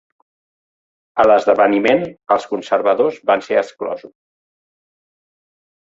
A l'esdeveniment, els conservadors van ser exclosos.